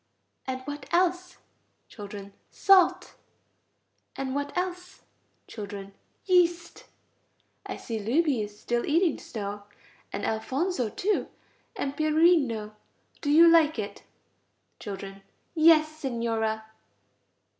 And what else? Children. Salt. And what else? Children. Yeast. I see Luigi is still eating snow, and Alfonso too, and Pierino. Do you like it? Children. Yes, Signora.